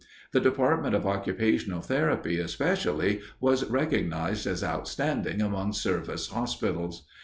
The department of occupational therapy, especially, was recognized as outstanding among service hospitals.